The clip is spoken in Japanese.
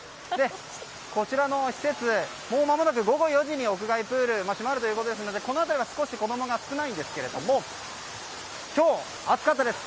こちらの施設、もうまもなく午後４時に屋外プールが閉まるということですのでこの辺り子供が少ないんですけど今日、暑かったです。